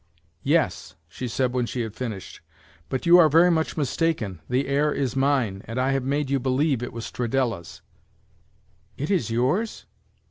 "Yes," she said when she had finished, "but you are very much mistaken, the air is mine, and I have made you believe it was Stradella's." "It is yours?"